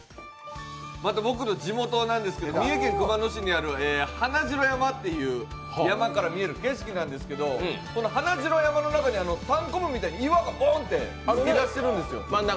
また僕の地元なんですけど三重県熊野市にある華城山っていう山から見える景色なんですけど、華城山の中にたんこぶみたいに岩がぼんと突き出してるんですよ。